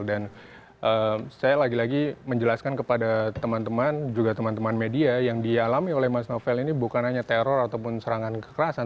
dan saya lagi lagi menjelaskan kepada teman teman juga teman teman media yang dialami oleh mas novel ini bukan hanya teror ataupun serangan kekerasan